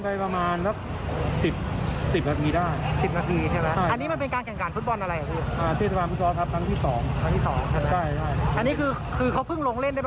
เพราะทั้งนั้น